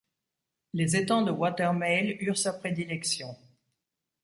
Les étangs de Watermael eurent sa prédilection.